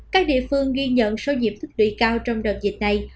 các địa phương ghi nhận số nhiễm thức đuổi cao trong đợt dịch này